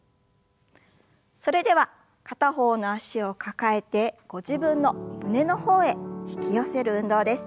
それでは片方の脚を抱えてご自分の胸の方へ引き寄せる運動です。